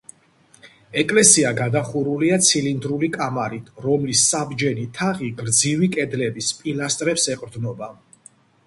ეკლესია გადახურულია ცილინდრული კამარით, რომლის საბჯენი თაღი გრძივი კედლების პილასტრებს ეყრდნობა.